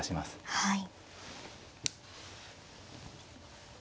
はい。